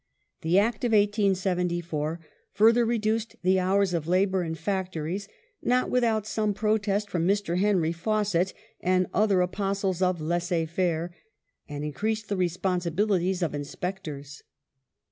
The Act of 1847 further ]^\'^ reduced the hours of labour in factories, not without some protest from Mr. Henry Fawcett and other apostles of laissez faire, and increased the responsibilities of inspectors.